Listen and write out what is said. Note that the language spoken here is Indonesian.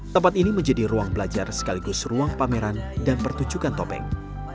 tempat ini menjadi ruang belajar sekaligus ruang pameran dan pertunjukan topeng